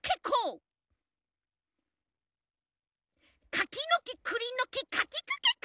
かきのきくりのきかきくけこ！